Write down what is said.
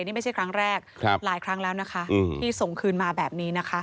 นี่ไม่ใช่ครั้งแรกหลายครั้งแล้วนะคะที่ส่งคืนมาแบบนี้นะคะ